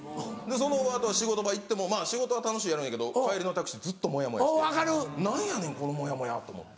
その後は仕事場行っても仕事は楽しくやるんやけど帰りのタクシーずっともやもやして何やねんこのもやもやと思って。